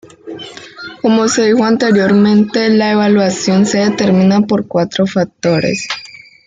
Como se dijo anteriormente, la evaluación se determina por cuatro factores.